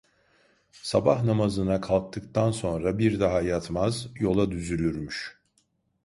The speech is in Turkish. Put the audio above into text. Sabah namazına kalktıktan sonra bir daha yatmaz, yola düzülürmüş.